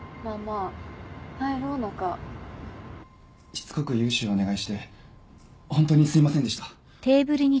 しつこく融資をお願いしてホントにすいませんでした。